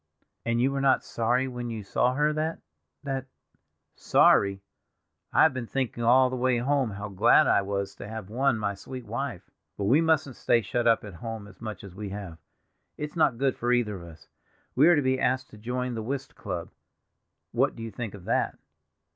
"And you were not sorry when you saw her, that—that—" "Sorry! I have been thinking all the way home how glad I was to have won my sweet wife. But we mustn't stay shut up at home as much as we have; it's not good for either of us. We are to be asked to join the whist club—what do you think of that?